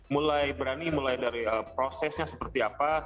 mulai berani mulai dari prosesnya seperti apa